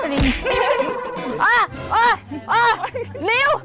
นิ้ว